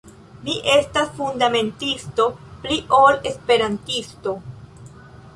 Mi estas fundamentisto, pli ol Esperantisto.